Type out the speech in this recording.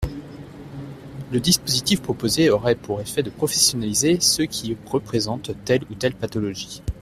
Le dispositif proposé aurait pour effet de professionnaliser ceux qui représentent telle ou telle pathologie.